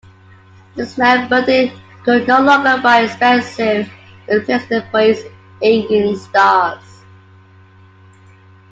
This meant Verdy could no longer buy expensive replacements for its aging stars.